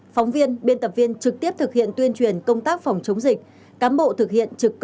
phóng viên biên tập viên trực tiếp thực hiện tuyên truyền công tác phòng chống dịch